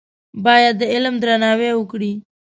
باید د علم درناوی وکړې.